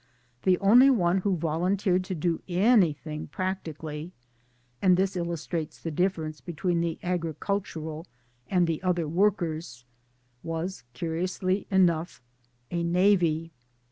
The only one who volunteered to do anything practically and this illustrates the difference between the agricultural and the other workers was curiously enough a navvy.